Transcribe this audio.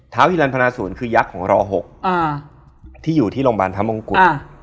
ฮิรันพนาศูนย์คือยักษ์ของร๖ที่อยู่ที่โรงพยาบาลพระมงกุฎ